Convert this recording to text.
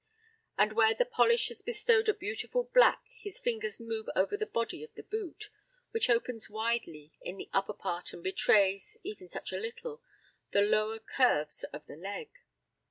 And where the polish has bestowed a beautiful black his fingers move over the body of the boot, which opens widely in the upper part and betrays ever such a little the lower curves of the leg.